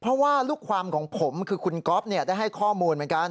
เพราะว่าลูกความของผมคือคุณก๊อฟได้ให้ข้อมูลเหมือนกัน